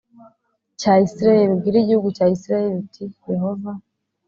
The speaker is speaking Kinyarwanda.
Cya isirayeli ubwire igihugu cya isirayeli uti yehova